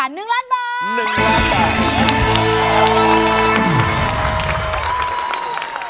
๑ล้านบาท